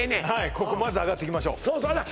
ここまず上がっていきましょうそうあっ